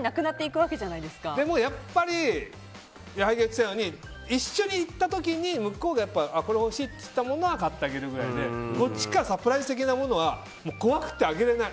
でもやっぱり矢作が言っていたように一緒に行ったときに向こうがこれ欲しいって言ったものを買ってあげるくらいでサプライズ的なものは怖くてあげられない。